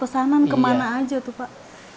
dua ratus pesanan kemana aja tuh pak